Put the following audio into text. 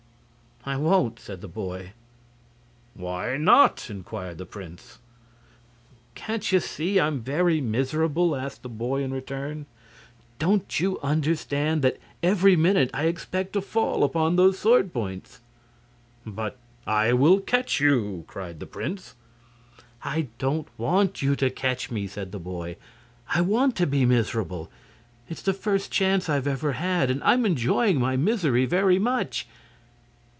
"I won't," said the boy. "Why not?" inquired the prince. "Can't you see I'm very miserable?" asked the boy, in return; "don't you understand that every minute I expect to fall upon those sword points?" "But I will catch you," cried the prince. "I don't want you to catch me," said the boy. "I want to be miserable. It's the first chance I've ever had, and I'm enjoying my misery very much."